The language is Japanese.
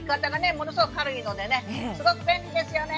ものすごく軽いのでねすごく便利ですよね。